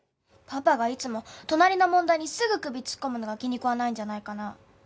パパがいつも隣の問題にすぐ首突っ込むのが気に食わないんじゃないかな？